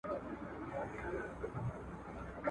خلک د دې د قبر په اړه خبري کوي.